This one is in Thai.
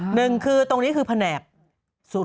หนึ่งคือตรงนี้คือแผนกสุด